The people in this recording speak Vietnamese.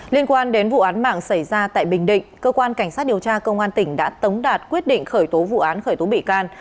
liên quan đến vụ án mạng xảy ra tại bình định cơ quan cảnh sát điều tra công an tỉnh đã tống đạt quyết định khởi tố vụ án khởi tố bị can